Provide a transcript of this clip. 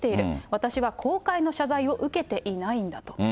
私は公開の謝罪を受けていないんだと。